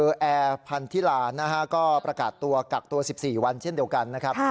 คือแอร์พันธิลานะฮะก็ประกาศตัวกักตัว๑๔วันเช่นเดียวกันนะครับ